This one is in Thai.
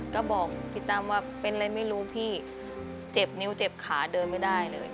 ก็บอกพี่ตั้มว่าเป็นอะไรไม่รู้พี่เจ็บนิ้วเจ็บขาเดินไม่ได้เลย